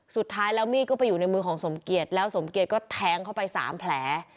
สุดท้ายแล้วมีดก็ไปอยู่ในมือของสมเกียจแล้วสมเกียจก็แทงเข้าไป๓แผล